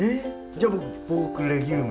じゃあ僕ポークレギューム。